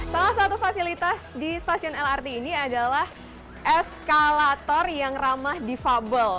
salah satu fasilitas di spasiun lrt ini adalah eskalator yang ramah di fabel